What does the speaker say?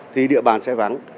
thì địa bàn sẽ vắng